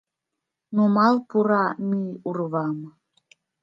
Нумал пура мӱй урвам...